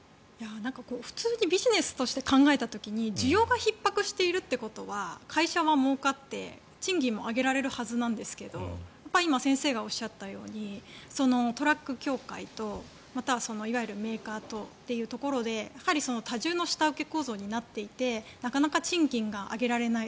普通にビジネスとして考えた時に需要がひっ迫しているということは会社はもうかって賃金も上げられるはずなんですが今、先生がおっしゃったようにトラック協会とまた、いわゆるメーカーとというところで多重の下請け構造になっていてなかなか賃金が上げられない。